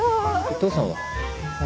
父さんは？